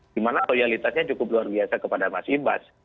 di mana loyalitasnya cukup luar biasa kepada mas ibas